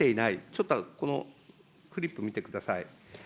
ちょっとこのフリップ見てください。